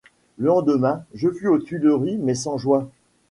Le lendemain, je fus aux Tuileries, mais sans joie.